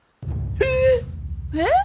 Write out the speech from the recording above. ええ！えっ？